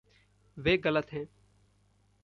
वे गलत हैं।